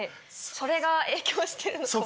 それが影響してるのかも。